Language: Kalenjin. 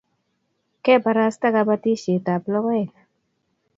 Keparasta kapatisiet ab lokoek